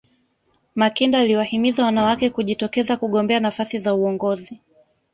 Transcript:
makinda aliwahimiza wanawake kujitokeza kugombea nafasi za uongozi